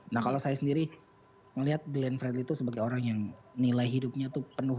nah kalau saya sendiri melihat glenn fredly itu sebagai orang yang nilai hidupnya itu penuh